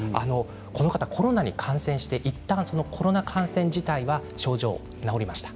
この方コロナに感染して、いったんコロナ感染自体は症状が治りました。